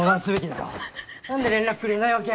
なんで連絡くれないわけ？